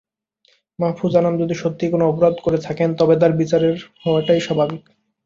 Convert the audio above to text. মাহ্ফুজ আনাম যদি সত্যিই কোনো অপরাধ করে থাকেন, তবে তাঁর বিচার হওয়াই স্বাভাবিক।